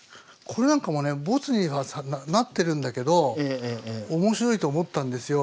これなんかもねボツにはなってるんだけど面白いと思ったんですよ。